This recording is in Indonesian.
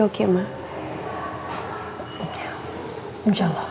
gak mau disuapin